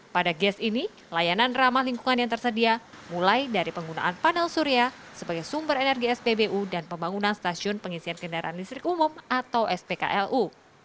pada gas ini layanan ramah lingkungan yang tersedia mulai dari penggunaan panel surya sebagai sumber energi spbu dan pembangunan stasiun pengisian kendaraan listrik umum atau spklu